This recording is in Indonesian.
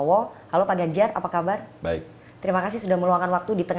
ada pak mahfuz ada pak ariefan kamil kan banyak ada gimana